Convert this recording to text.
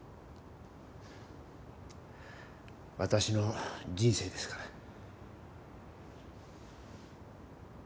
私の人生ですから。